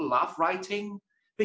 jadi penulis tiket